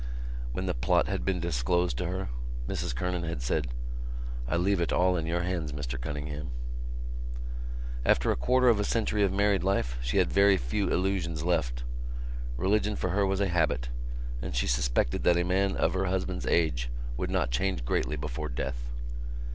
When the plot had been disclosed to her, Mrs Kernan had said: "I leave it all in your hands, Mr Cunningham." After a quarter of a century of married life, she had very few illusions left. Religion for her was a habit and she suspected that a man of her husband's age would not change greatly before death.